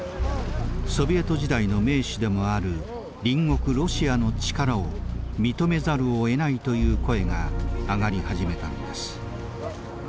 ソビエト時代の盟主でもある隣国ロシアの力を認めざるをえないという声が上がり始めたのです。